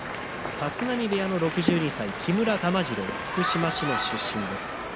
立浪部屋の６２歳木村玉治郎、福島市の出身です。